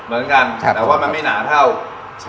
เหมือนกันแต่ว่ามันไม่หนาเท่า